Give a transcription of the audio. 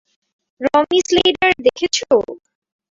রমি Sneijder দেখেছ?